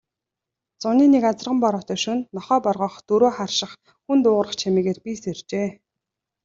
Зуны нэг азарган бороотой шөнө нохой боргоох, дөрөө харших, хүн дуугарах чимээгээр би сэржээ.